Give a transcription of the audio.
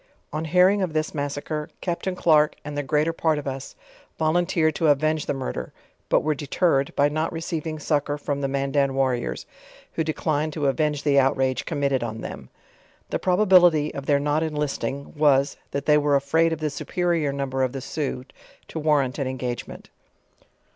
On hearing of this massacre, Captain Clarke and the greater part of ue voiun *A western Traveller. LEWIS AND CLARKE. 37 teered to avenge the murder; but were deterred by not re ceiving succor from the Mandan warriors; who declined to avenge the outrage committed on them. The probability of their not enlisting, was, that they were afraid of the su perior number of the Sioux to warrant an engagement.